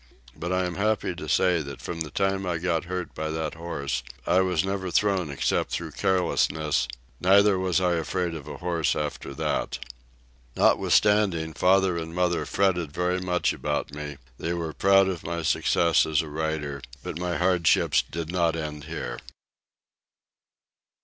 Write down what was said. But I am happy to say that from the time I got hurt by that horse I was never thrown except through carelessness, neither was I afraid of a horse after that. Notwithstanding father and mother fretted very much about me, they were proud of my success as a rider, but my hardships did not end here.